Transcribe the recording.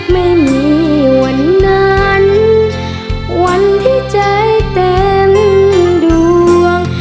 ไม่มีวันนั้นวันที่ใจเต็มดวง